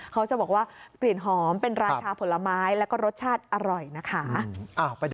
เขาจะบอกว่ากลิ่นหอมเป็นราชาผลไม้แล้วก็รสชาติอร่อยนะคะ